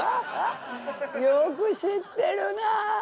よく知ってるなあ。